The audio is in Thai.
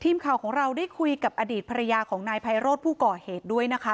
ทีมข่าวของเราได้คุยกับอดีตภรรยาของนายไพโรธผู้ก่อเหตุด้วยนะคะ